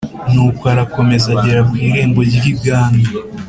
nuko arakomeza agera ku irembo ry’ibwami,